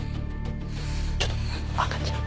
ちょっと赤ちゃん。